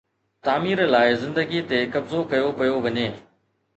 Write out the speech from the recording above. تعمير لاءِ زمين تي قبضو ڪيو پيو وڃي.